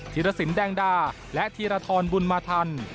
ธีรสินแดงดาและธีรทรบุญมาทัน